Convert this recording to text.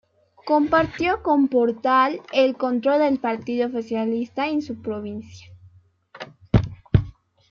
Compartió con Portal el control del partido oficialista en su provincia.